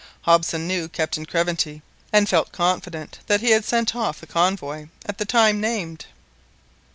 Hobson knew Captain Craventy, and felt confident that he had sent off the convoy at the time named.